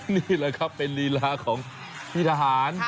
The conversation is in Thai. นี่แหละครับเป็นลีลาของพี่ทหาร